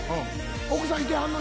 奥さんいてはんのに？